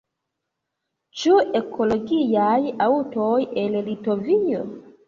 Ĉu ekologiaj aŭtoj el Litovio?